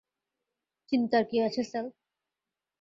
চিন্তার কি আছে, স্যাল?